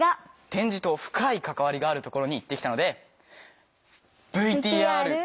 点字と深い関わりがあるところに行ってきたので。